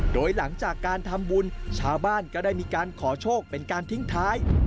โดยหลังจากการทำบุญชาวบ้านก็ได้มีการขอโชคเป็นการทิ้งท้าย